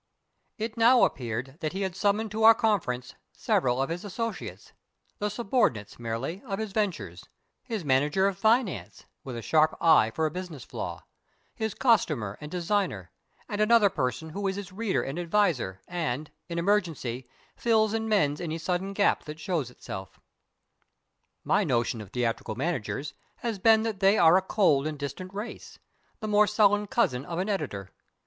It now appeared that he had summoned to our conference several of his associates the subordinates, merely, of his ventures his manager of finance (with a sharp eye for a business flaw), his costumer and designer, and another person who is his reader and adviser and, in emergency, fills and mends any sudden gap that shows itself. My notion of theatrical managers has been that they are a cold and distant race the more sullen cousin of an editor.